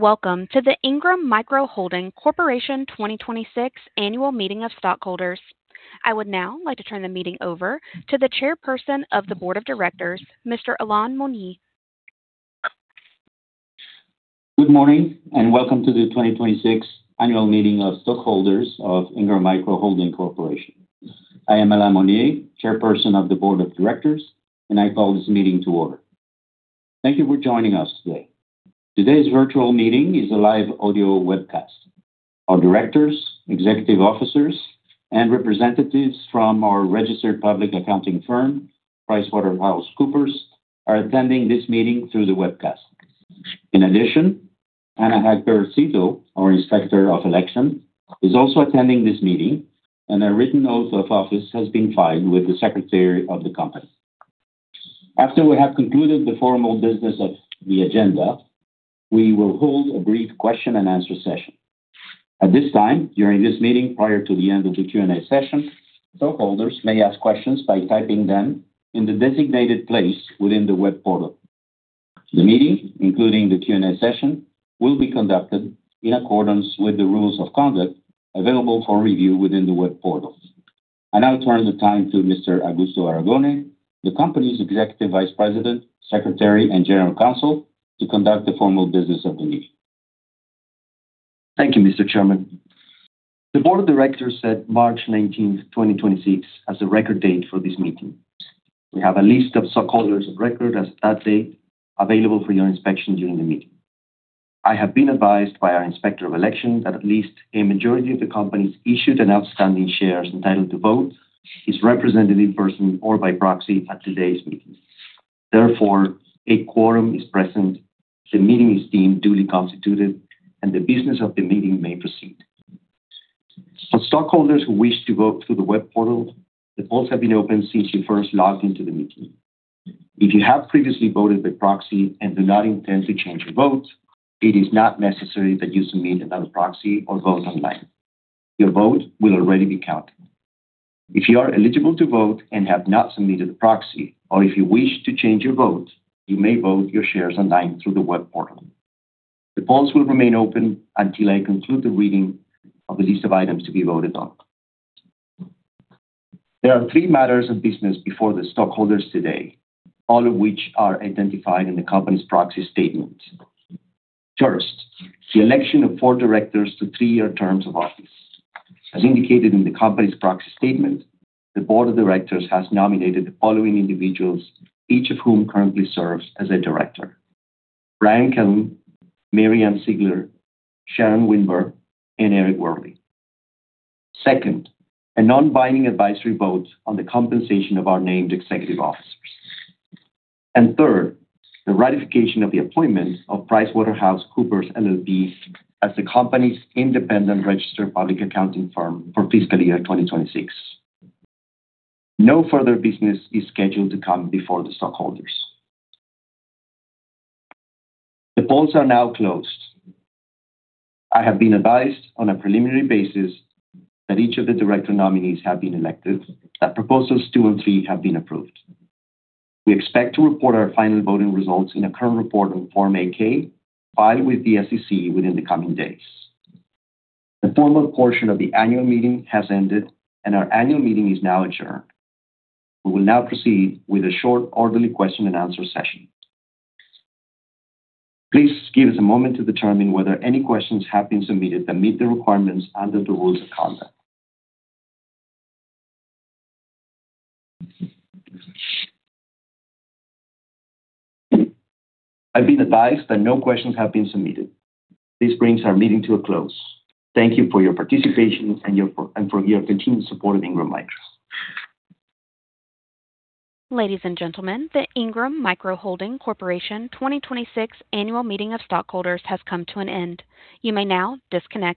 Welcome to the Ingram Micro Holding Corporation 2026 Annual Meeting of Stockholders. I would now like to turn the meeting over to the Chairperson of the Board of Directors, Mr. Alain Monié. Good morning, Welcome to The 2026 Annual Meeting of Stockholders of Ingram Micro Holding Corporation. I am Alain Monié, Chairperson of the Board of Directors, and I call this meeting to order. Thank you for joining us today. Today's virtual meeting is a live audio webcast. Our directors, executive officers, and representatives from our registered public accounting firm, PricewaterhouseCoopers, are attending this meeting through the webcast. In addition, Anna Hagberg-Cito, our Inspector of Election, is also attending this meeting, and her written oath of office has been filed with the Secretary of the company. After we have concluded the formal business of the agenda, we will hold a brief question and answer session. At this time, during this meeting, prior to the end of the Q&A session, stockholders may ask questions by typing them in the designated place within the web portal. The meeting, including the Q&A session, will be conducted in accordance with the rules of conduct available for review within the web portal. I now turn the time to Mr. Augusto Aragone, the company's Executive Vice President, Secretary, and General Counsel, to conduct the formal business of the meeting. Thank you, Mr. Chairman. The board of directors set March 19th, 2026 as the record date for this meeting. We have a list of stockholders of record as of that date available for your inspection during the meeting. I have been advised by our Inspector of Election that at least a majority of the company's issued and outstanding shares entitled to vote is represented in person or by proxy at today's meeting. Therefore, a quorum is present, the meeting is deemed duly constituted, and the business of the meeting may proceed. For stockholders who wish to vote through the web portal, the polls have been open since you first logged into the meeting. If you have previously voted by proxy and do not intend to change your vote, it is not necessary that you submit another proxy or vote online. Your vote will already be counted. If you are eligible to vote and have not submitted a proxy, or if you wish to change your vote, you may vote your shares online through the web portal. The polls will remain open until I conclude the reading of the list of items to be voted on. There are three matters of business before the stockholders today, all of which are identified in the company's proxy statement. First, the election of four directors to three-year terms of office. As indicated in the company's proxy statement, the board of directors has nominated the following individuals, each of whom currently serves as a director: Bryan Kelln, Mary Ann Sigler, Sharon Wienbar, and Eric Worley. Second, a non-binding advisory vote on the compensation of our named executive officers. Third, the ratification of the appointment of PricewaterhouseCoopers LLP as the company's independent registered public accounting firm for fiscal year 2026. No further business is scheduled to come before the stockholders. The polls are now closed. I have been advised on a preliminary basis that each of the director nominees have been elected and that proposals two and three have been approved. We expect to report our final voting results in a current report on Form 8-K filed with the SEC within the coming days. The formal portion of the annual meeting has ended. Our annual meeting is now adjourned. We will now proceed with a short orderly question and answer session. Please give us a moment to determine whether any questions have been submitted that meet the requirements under the rules of conduct. I've been advised that no questions have been submitted. This brings our meeting to a close. Thank you for your participation and for your continued support of Ingram Micro. Ladies and gentlemen, the Ingram Micro Holding Corporation 2026 Annual Meeting of Stockholders has come to an end. You may now disconnect.